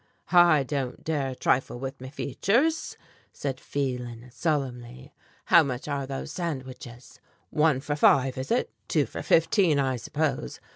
"I don't dare trifle with me features," said Phelan solemnly. "How much are those sandwiches. One for five, is it? Two for fifteen, I suppose.